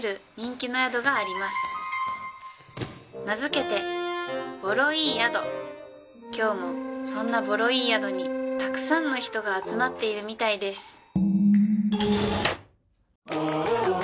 名付けて今日もそんなボロいい宿にたくさんの人が集まっているみたいです